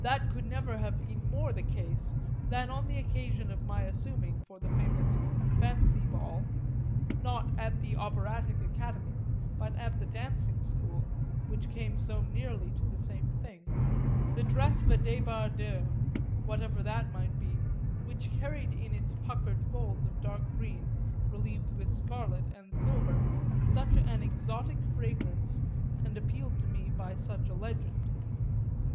That could never have been more the case than on the occasion of my assuming, for the famous fancy ball not at the operatic Academy, but at the dancing school, which came so nearly to the same thing the dress of a débardeur, whatever that might be, which carried in its puckered folds of dark green relieved with scarlet and silver such an exotic fragrance and appealed to me by such a legend.